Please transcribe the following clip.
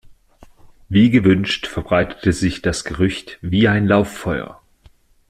Wie gewünscht verbreitet sich das Gerücht wie ein Lauffeuer.